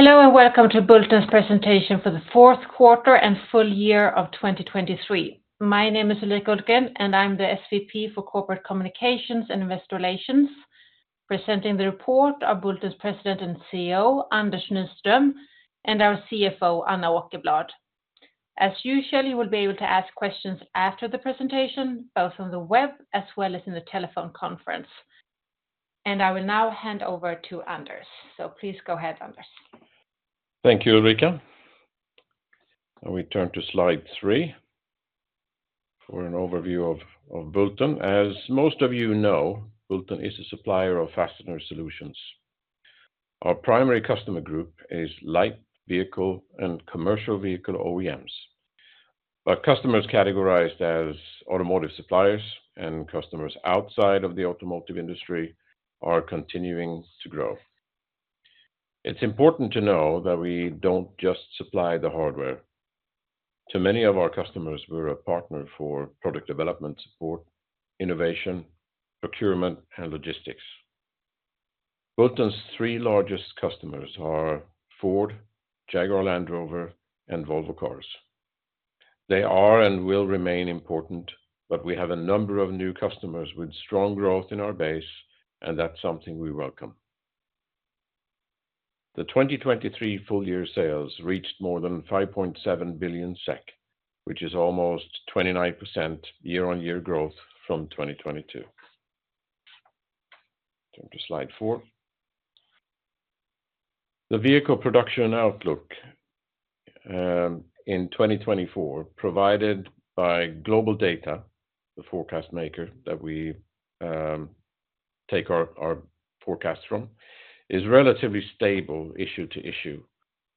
Hello, and welcome to Bulten's presentation for the fourth quarter and full year of 2023. My name is Ulrika Hultgren, and I'm the SVP for Corporate Communications and Investor Relations. Presenting the report are Bulten's President and CEO, Anders Nyström, and our CFO, Anna Åkerblad. As usual, you will be able to ask questions after the presentation, both on the web as well as in the telephone conference. I will now hand over to Anders. Please go ahead, Anders. Thank you, Ulrika. We turn to Slide three, for an overview of Bulten. As most of you know, Bulten is a supplier of fastener solutions. Our primary customer group is light vehicle and commercial vehicle OEMs, but customers categorized as automotive suppliers and customers outside of the automotive industry are continuing to grow. It's important to know that we don't just supply the hardware. To many of our customers, we're a partner for product development support, innovation, procurement, and logistics. Bulten's three largest customers are Ford, Jaguar Land Rover, and Volvo Cars. They are and will remain important, but we have a number of new customers with strong growth in our base, and that's something we welcome. The 2023 full year sales reached more than 5.7 billion SEK, which is almost 29% year-on-year growth from 2022. Turn to Slide four. The vehicle production outlook in 2024, provided by GlobalData, the forecast maker that we take our forecast from, is relatively stable issue to issue,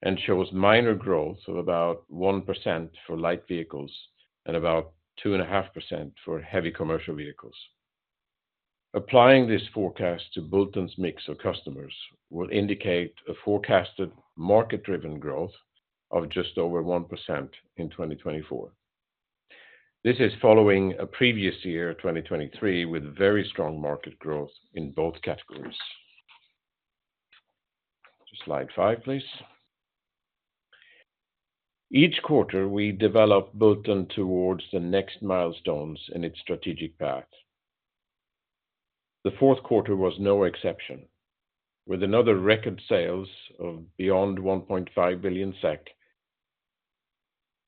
and shows minor growth of about 1% for light vehicles and about 2.5% for heavy commercial vehicles. Applying this forecast to Bulten's mix of customers will indicate a forecasted market-driven growth of just over 1% in 2024. This is following a previous year, 2023, with very strong market growth in both categories. To Slide 5, please. Each quarter, we develop Bulten towards the next milestones in its strategic path. The fourth quarter was no exception, with another record sales of beyond 1.5 billion SEK.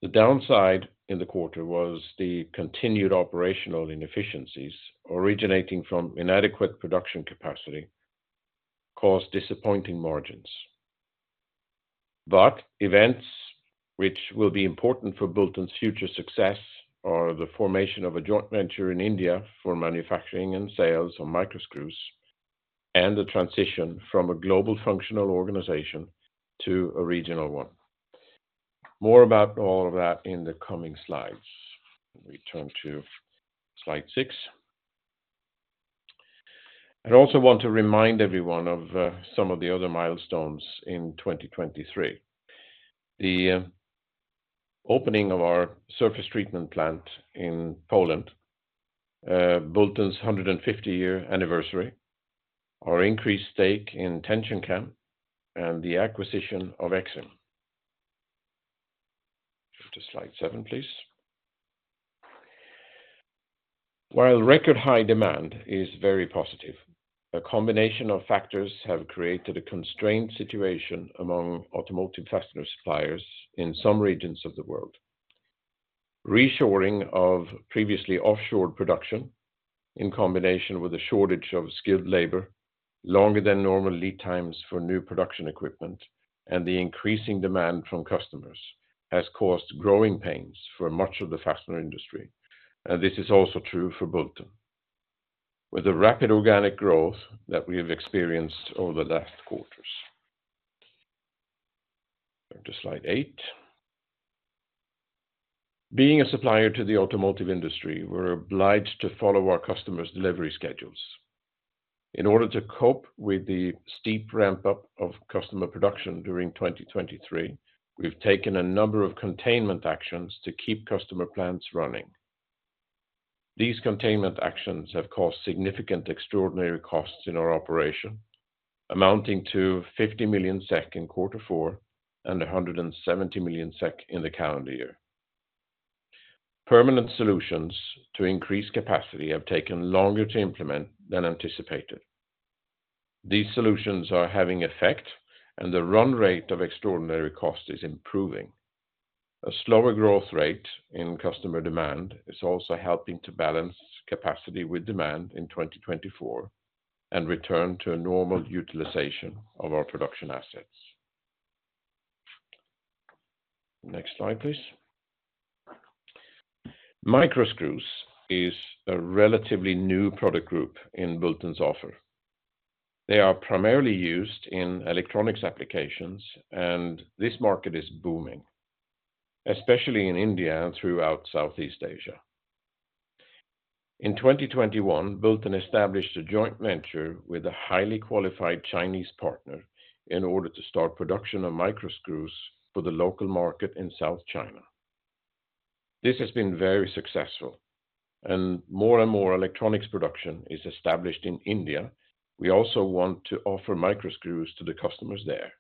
The downside in the quarter was the continued operational inefficiencies originating from inadequate production capacity, caused disappointing margins. Events which will be important for Bulten's future success are the formation of a joint venture in India for manufacturing and sales of micro screws, and the transition from a global functional organization to a regional one. More about all of that in the coming slides. Let me turn to Slide 6. I'd also want to remind everyone of some of the other milestones in 2023. The opening of our surface treatment plant in Poland, Bulten's 150-year anniversary, our increased stake in TensionCam, and the acquisition of Exim. To Slide 7, please. While record-high demand is very positive, a combination of factors have created a constraint situation among automotive fastener suppliers in some regions of the world. Reshoring of previously offshored production, in combination with a shortage of skilled labor, longer than normal lead times for new production equipment, and the increasing demand from customers, has caused growing pains for much of the fastener industry, and this is also true for Bulten. With the rapid organic growth that we've experienced over the last quarters. Turn to Slide 8. Being a supplier to the automotive industry, we're obliged to follow our customers' delivery schedules. In order to cope with the steep ramp-up of customer production during 2023, we've taken a number of containment actions to keep customer plants running. These containment actions have caused significant extraordinary costs in our operation, amounting to 50 million SEK in quarter four and 170 million SEK in the calendar year. Permanent solutions to increase capacity have taken longer to implement than anticipated. These solutions are having effect, and the run rate of extraordinary cost is improving. A slower growth rate in customer demand is also helping to balance capacity with demand in 2024, and return to a normal utilization of our production assets. Next slide, please. Micro screws is a relatively new product group in Bulten's offering. They are primarily used in electronics applications, and this market is booming, especially in India and throughout Southeast Asia. In 2021, Bulten established a joint venture with a highly qualified Chinese partner in order to start production of micro screws for the local market in South China. This has been very successful, and more and more electronics production is established in India. We also want to offer micro screws to the customers there.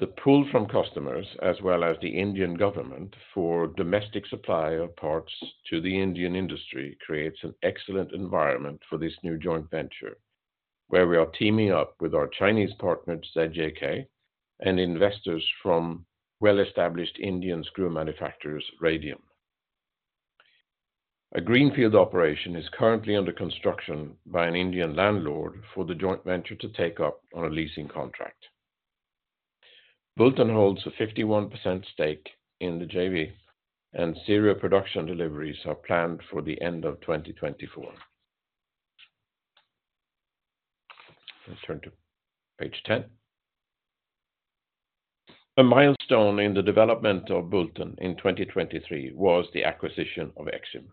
The pull from customers, as well as the Indian government, for domestic supply of parts to the Indian industry, creates an excellent environment for this new joint venture, where we are teaming up with our Chinese partner, ZJK, and investors from well-established Indian screw manufacturers, Radium. A greenfield operation is currently under construction by an Indian landlord for the joint venture to take up on a leasing contract. Bulten holds a 51% stake in the JV, and serial production deliveries are planned for the end of 2024. Let's turn to page 10. A milestone in the development of Bulten in 2023 was the acquisition of Exim,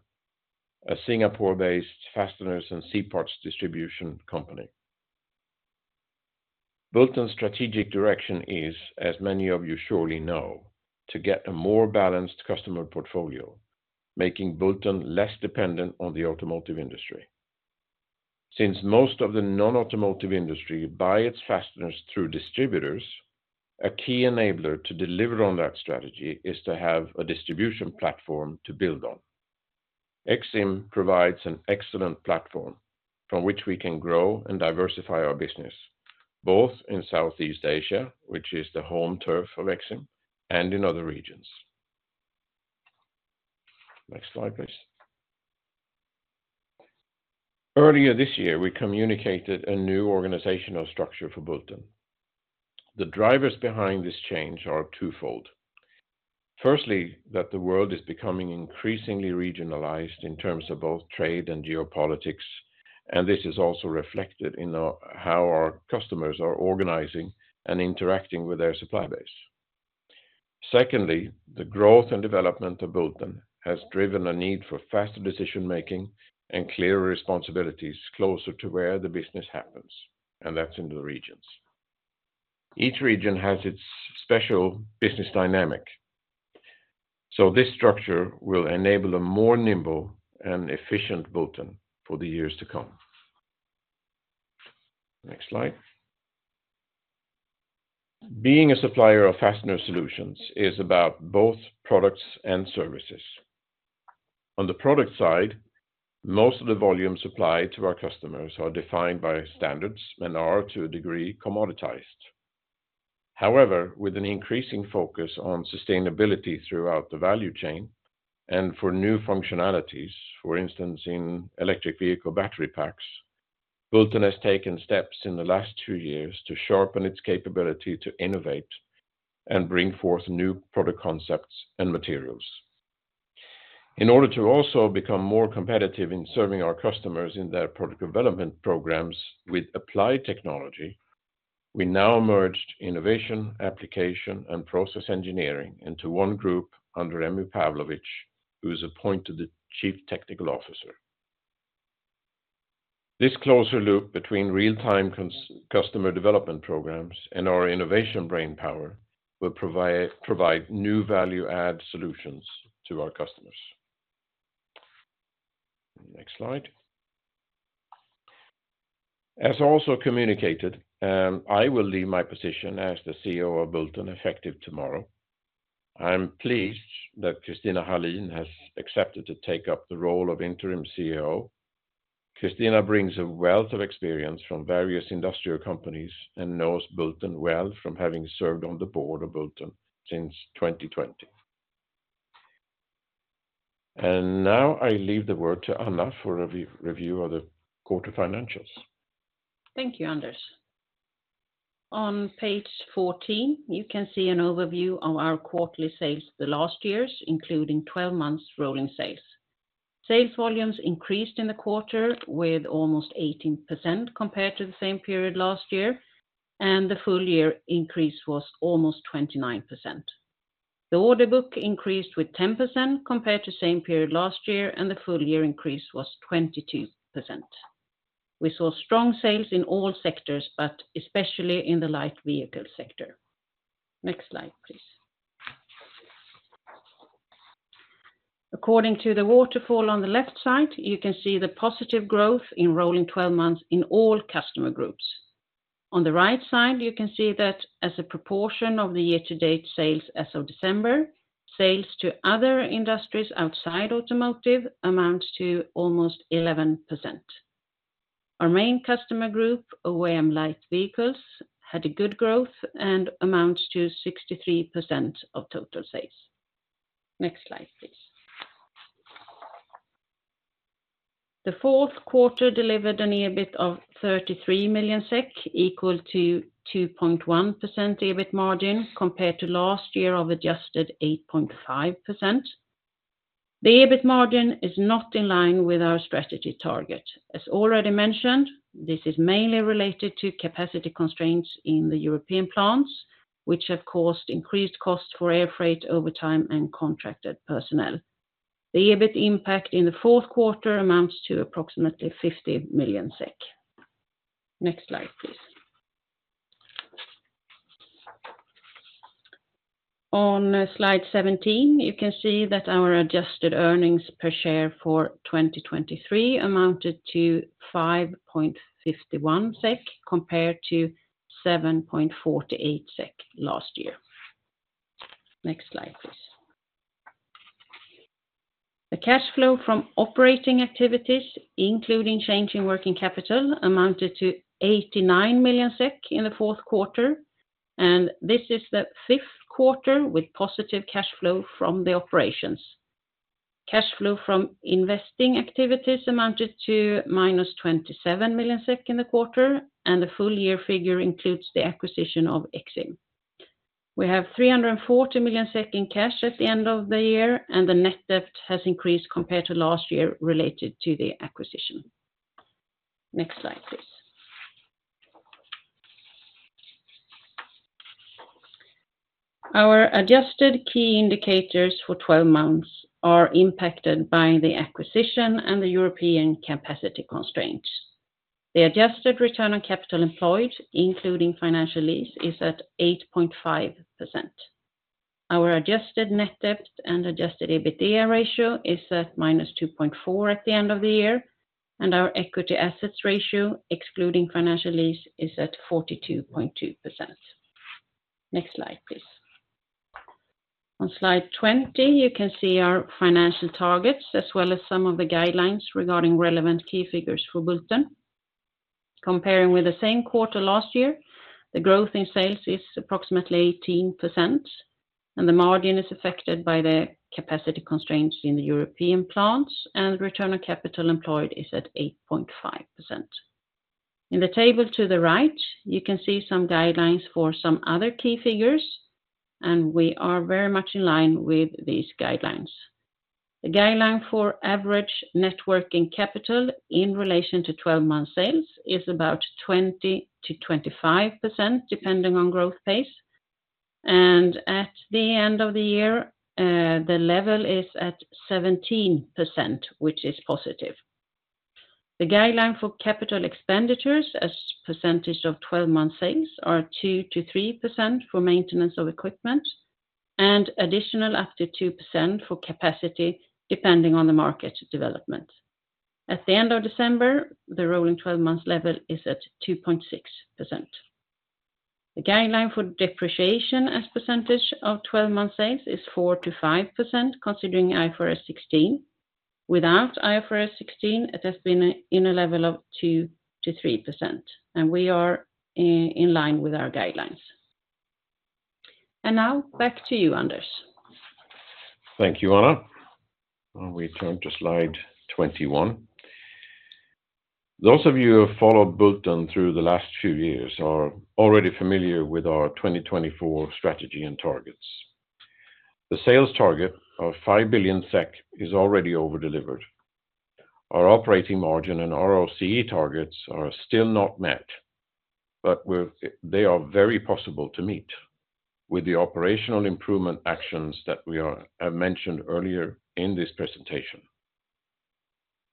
a Singapore-based fasteners and C-parts distribution company. Bulten's strategic direction is, as many of you surely know, to get a more balanced customer portfolio, making Bulten less dependent on the automotive industry. Since most of the non-automotive industry buy its fasteners through distributors, a key enabler to deliver on that strategy is to have a distribution platform to build on. Exim provides an excellent platform from which we can grow and diversify our business, both in Southeast Asia, which is the home turf of Exim, and in other regions. Next slide, please. Earlier this year, we communicated a new organizational structure for Bulten. The drivers behind this change are twofold. Firstly, that the world is becoming increasingly regionalized in terms of both trade and geopolitics, and this is also reflected in how our customers are organizing and interacting with their supply base. Secondly, the growth and development of Bulten has driven a need for faster decision-making and clear responsibilities closer to where the business happens, and that's in the regions. Each region has its special business dynamic, so this structure will enable a more nimble and efficient Bulten for the years to come. Next slide. Being a supplier of fastener solutions is about both products and services. On the product side, most of the volume supplied to our customers are defined by standards and are, to a degree, commoditized. However, with an increasing focus on sustainability throughout the value chain and for new functionalities, for instance, in electric vehicle battery packs, Bulten has taken steps in the last two years to sharpen its capability to innovate and bring forth new product concepts and materials. In order to also become more competitive in serving our customers in their product development programs with applied technology, we now merged innovation, application, and process engineering into one group under Emmy Pavlovic, who is appointed the Chief Technical Officer. This closer loop between real-time customer development programs and our innovation brainpower will provide new value-add solutions to our customers. Next slide. As also communicated, I will leave my position as the CEO of Bulten, effective tomorrow. I'm pleased that Christina Hallin has accepted to take up the role of interim CEO. Christina brings a wealth of experience from various industrial companies and knows Bulten well from having served on the board of Bulten since 2020. And now, I leave the word to Anna for a review of the quarter financials. Thank you, Anders. On page 14, you can see an overview of our quarterly sales the last years, including 12 months rolling sales. Sales volumes increased in the quarter with almost 18% compared to the same period last year, and the full year increase was almost 29%. The order book increased with 10% compared to same period last year, and the full year increase was 22%. We saw strong sales in all sectors, but especially in the light vehicle sector. Next slide, please. According to the waterfall on the left side, you can see the positive growth in rolling 12 months in all customer groups. On the right side, you can see that as a proportion of the year-to-date sales as of December, sales to other industries outside automotive amounts to almost 11%. Our main customer group, OEM light vehicles, had a good growth and amounts to 63% of total sales. Next slide, please. The fourth quarter delivered an EBIT of 33 million SEK, equal to 2.1% EBIT margin, compared to last year of adjusted 8.5%. The EBIT margin is not in line with our strategy target. As already mentioned, this is mainly related to capacity constraints in the European plants, which have caused increased costs for air freight over time and contracted personnel. The EBIT impact in the fourth quarter amounts to approximately 50 million SEK. Next slide, please. On slide 17, you can see that our adjusted earnings per share for 2023 amounted to 5.51 SEK, compared to 7.48 SEK last year. Next slide, please. The cash flow from operating activities, including change in working capital, amounted to 89 million SEK in the fourth quarter, and this is the fifth quarter with positive cash flow from the operations. Cash flow from investing activities amounted to -27 million SEK in the quarter, and the full-year figure includes the acquisition of Exim. We have 340 million SEK in cash at the end of the year, and the net debt has increased compared to last year related to the acquisition. Next slide, please. Our adjusted key indicators for 12 months are impacted by the acquisition and the European capacity constraints. The adjusted return on capital employed, including financial lease, is at 8.5%. Our adjusted net debt and adjusted EBITDA ratio is at -2.4x at the end of the year, and our equity assets ratio, excluding financial lease, is at 42.2%. Next slide, please. On slide 20, you can see our financial targets, as well as some of the guidelines regarding relevant key figures for Bulten. Comparing with the same quarter last year, the growth in sales is approximately 18%, and the margin is affected by the capacity constraints in the European plants, and return on capital employed is at 8.5%. In the table to the right, you can see some guidelines for some other key figures, and we are very much in line with these guidelines. The guideline for average net working capital in relation to 12 months sales is about 20%-25%, depending on growth pace, and at the end of the year, the level is at 17%, which is positive. The guideline for capital expenditures as percentage of 12 months sales are 2%-3% for maintenance of equipment, and additional up to 2% for capacity, depending on the market development. At the end of December, the rolling 12 months level is at 2.6%. The guideline for depreciation as percentage of 12 months sales is 4%-5%, considering IFRS 16. Without IFRS 16, it has been in a level of 2%-3%, and we are in line with our guidelines. And now, back to you, Anders. Thank you, Anna. We turn to slide 21. Those of you who have followed Bulten through the last few years are already familiar with our 2024 strategy and targets. The sales target of 5 billion SEK is already over-delivered. Our operating margin and ROCE targets are still not met, but they are very possible to meet with the operational improvement actions that we have mentioned earlier in this presentation.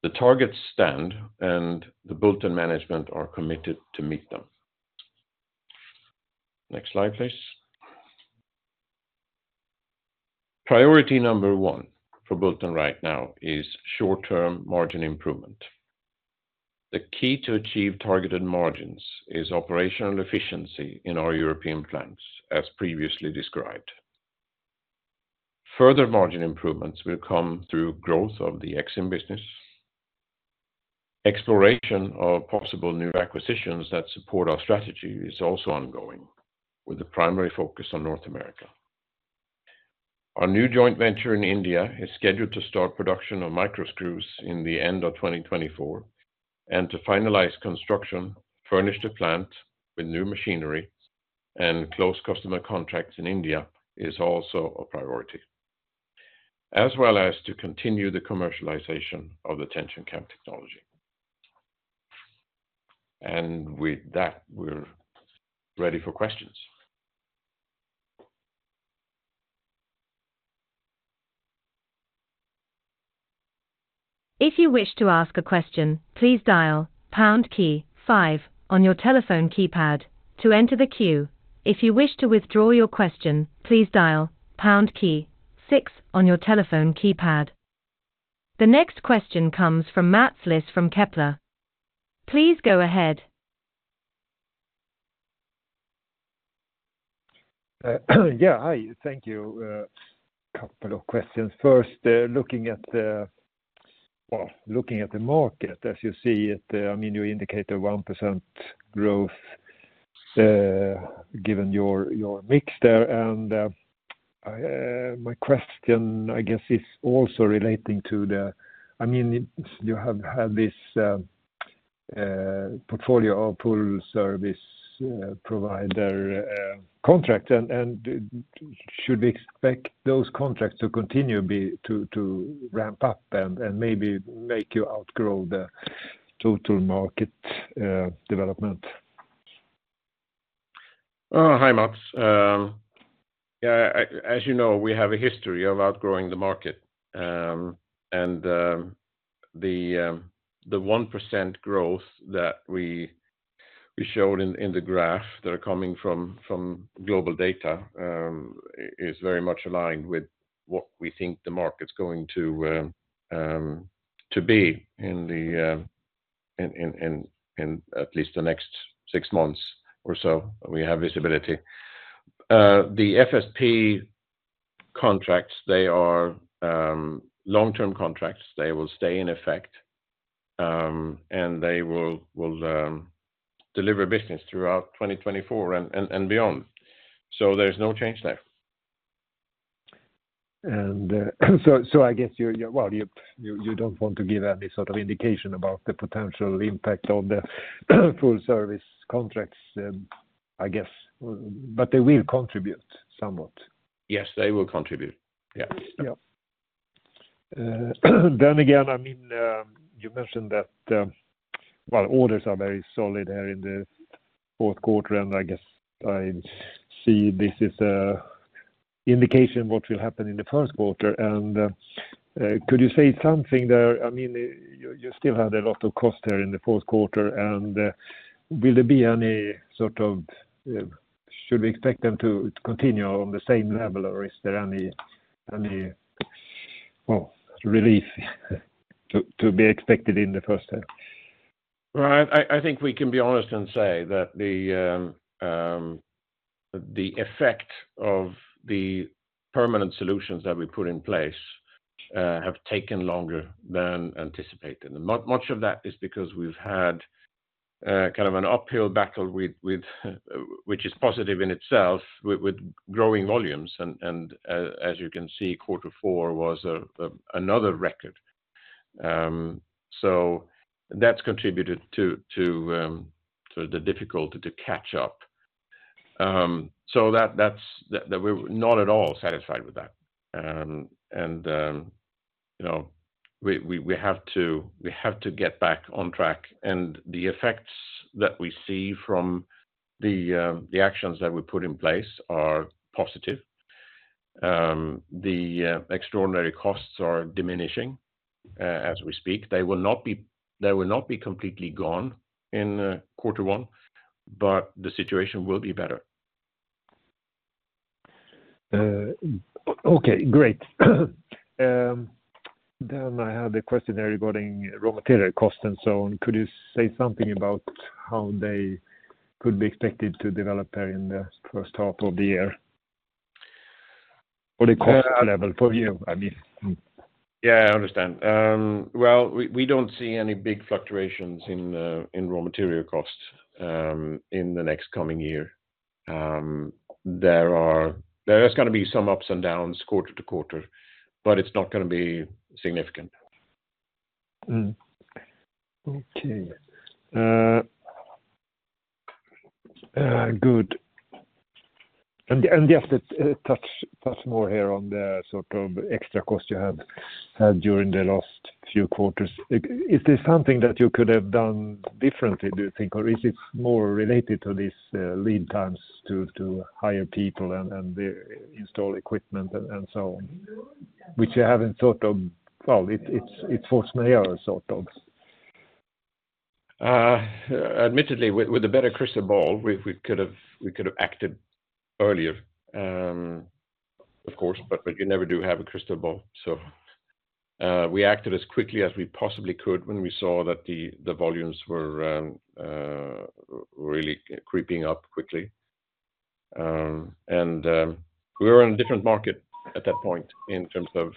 The targets stand, and the Bulten management are committed to meet them. Next slide, please. Priority number one for Bulten right now is short-term margin improvement. The key to achieve targeted margins is operational efficiency in our European plants, as previously described. Further margin improvements will come through growth of the Exim business. Exploration of possible new acquisitions that support our strategy is also ongoing, with a primary focus on North America. Our new joint venture in India is scheduled to start production of micro screws in the end of 2024, and to finalize construction, furnish the plant with new machinery, and close customer contracts in India is also a priority, as well as to continue the commercialization of the TensionCam technology. With that, we're ready for questions. If you wish to ask a question, please dial pound key five on your telephone keypad to enter the queue. If you wish to withdraw your question, please dial pound key six on your telephone keypad. The next question comes from Mats Liss from Kepler Cheuvreux. Please go ahead. Yeah, hi, thank you. A couple of questions. First, looking at the, well, looking at the market as you see it, I mean, you indicate a 1% growth, given your mix there. And, my question, I guess, is also relating to the—I mean, you have had this portfolio of full service provider contract, and should we expect those contracts to continue be, to ramp up and maybe make you outgrow the total market development? Hi, Mats. Yeah, as you know, we have a history of outgrowing the market. And the 1% growth that we showed in the graph that are coming from GlobalData is very much aligned with what we think the market's going to be in at least the next six months or so. We have visibility. The FSP contracts, they are long-term contracts. They will stay in effect, and they will deliver business throughout 2024 and beyond. So there's no change there. So, I guess you don't want to give any sort of indication about the potential impact of the full service contracts, I guess, but they will contribute somewhat? Yes, they will contribute. Yeah. Yeah. Then again, I mean, you mentioned that, well, orders are very solid here in the fourth quarter, and I guess I see this as an indication what will happen in the first quarter. Could you say something there? I mean, you still had a lot of cost there in the fourth quarter, and will there be any sort of—should we expect them to continue on the same level, or is there any, well, relief to be expected in the first half? Well, I think we can be honest and say that the effect of the permanent solutions that we put in place have taken longer than anticipated. Much, much of that is because we've had kind of an uphill battle with, which is positive in itself, with growing volumes, and as you can see, quarter four was another record. So that's contributed to the difficulty to catch up. So that, that's—we're not at all satisfied with that. And you know, we have to get back on track, and the effects that we see from the actions that we put in place are positive. The extraordinary costs are diminishing as we speak. They will not be, they will not be completely gone in quarter one, but the situation will be better. Okay, great. Then I have a question regarding raw material cost and so on. Could you say something about how they could be expected to develop there in the first half of the year? Or the cost level for you, I mean. Yeah, I understand. Well, we don't see any big fluctuations in raw material costs in the next coming year. There is gonna be some ups and downs quarter-to-quarter, but it's not gonna be significant. Okay. Good. And just a touch more here on the sort of extra cost you had during the last few quarters. Is there something that you could have done differently, do you think, or is it more related to these lead times to hire people and install equipment and so on, which you haven't thought of? Well, it's force majeure, sort of. Admittedly, with a better crystal ball, we could have acted earlier, of course, but you never do have a crystal ball. So, we acted as quickly as we possibly could when we saw that the volumes were really creeping up quickly. And we were in a different market at that point in terms of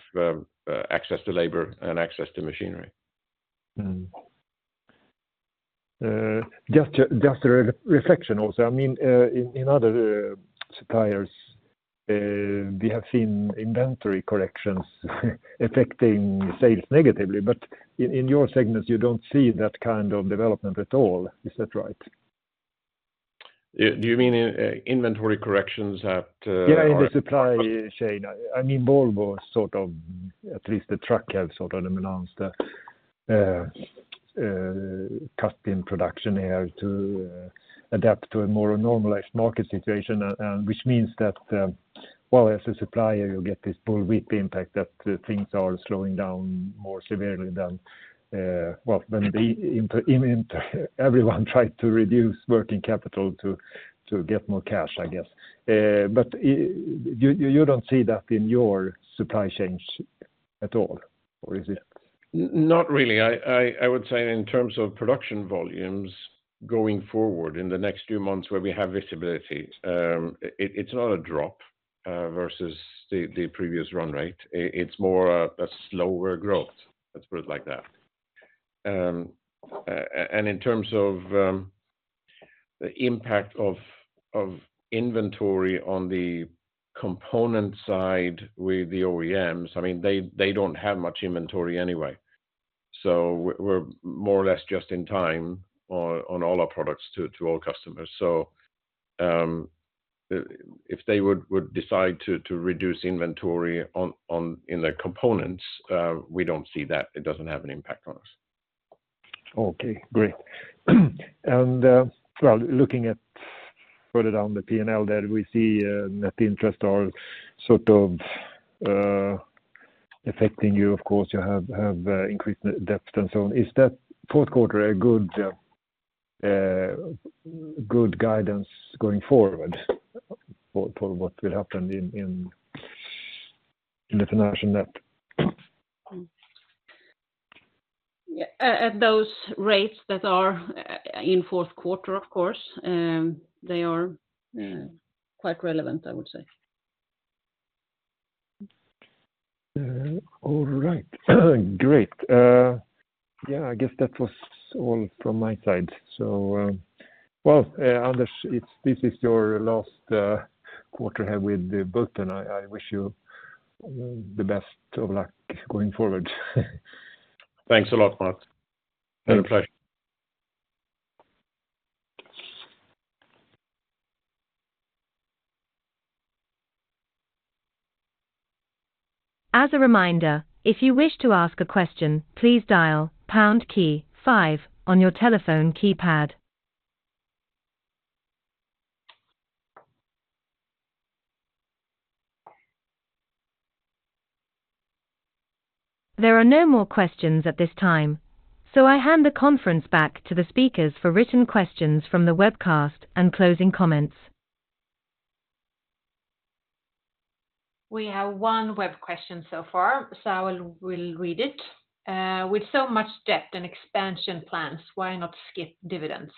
access to labor and access to machinery. Just a reflection also. I mean, in other suppliers, we have seen inventory corrections affecting sales negatively, but in your segments, you don't see that kind of development at all. Is that right? Do you mean in inventory corrections at? Yeah, in the supply chain. I mean, Volvo, sort of, at least the truck have sort of announced a cut in production here to adapt to a more normalized market situation, and which means that, well, as a supplier, you get this bull whip impact, that the things are slowing down more severely than, well, than the—everyone tried to reduce working capital to get more cash, I guess. But you don't see that in your supply chains at all, or is it? Not really. I would say in terms of production volumes going forward in the next few months where we have visibility, it's not a drop versus the previous run rate. It's more a slower growth. Let's put it like that. And in terms of the impact of inventory on the component side with the OEMs, I mean, they don't have much inventory anyway. So we're more or less just in time on all our products to all customers. So, if they would decide to reduce inventory on in their components, we don't see that. It doesn't have an impact on us. Okay, great. Well, looking further down the P&L there, we see net interest are sort of affecting you. Of course, you have increased debt and so on. Is that fourth quarter a good guidance going forward for what will happen in the financial net? Yeah, at those rates that are in fourth quarter, of course, they are quite relevant, I would say. All right. Great. Yeah, I guess that was all from my side. So, well, Anders, it's, this is your last quarter here with Bulten. I wish you the best of luck going forward. Thanks a lot, Mats. Been a pleasure. As a reminder, if you wish to ask a question, please dial pound key five on your telephone keypad. There are no more questions at this time, so I hand the conference back to the speakers for written questions from the webcast and closing comments. We have one web question so far, so I will read it. With so much depth and expansion plans, why not skip dividends?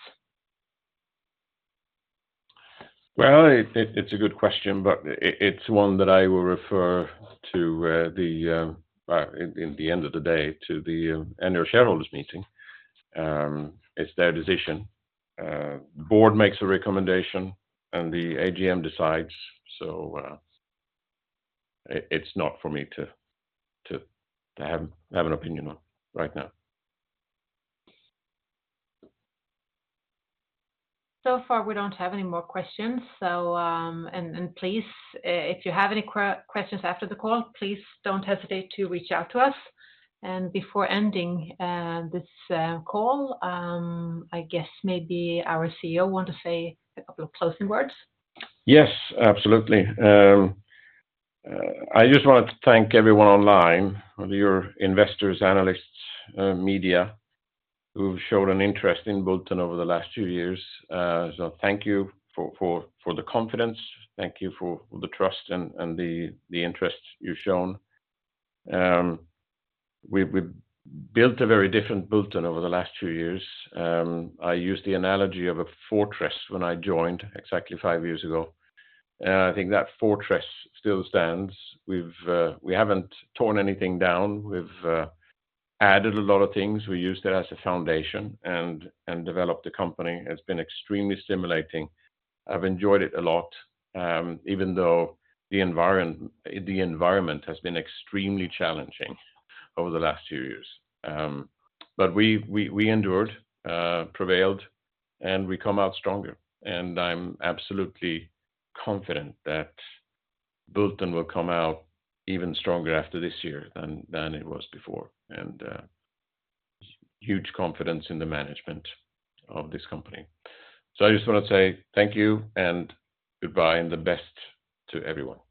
Well, it's a good question, but it's one that I will refer to, in the end of the day, to the annual shareholders meeting. It's their decision. The board makes a recommendation, and the AGM decides. So, it's not for me to have an opinion on right now. So far, we don't have any more questions. Please, if you have any questions after the call, please don't hesitate to reach out to us. Before ending this call, I guess maybe our CEO want to say a couple of closing words. Yes, absolutely. I just wanted to thank everyone online, whether you're investors, analysts, media, who've showed an interest in Bulten over the last two years. So thank you for the confidence, thank you for the trust and the interest you've shown. We've built a very different Bulten over the last two years. I used the analogy of a fortress when I joined exactly five years ago, and I think that fortress still stands. We haven't torn anything down. We've added a lot of things. We used it as a foundation and developed the company. It's been extremely stimulating. I've enjoyed it a lot, even though the environment has been extremely challenging over the last two years. But we endured, prevailed, and we come out stronger. I'm absolutely confident that Bulten will come out even stronger after this year than it was before, and huge confidence in the management of this company. I just wanna say thank you and goodbye, and the best to everyone.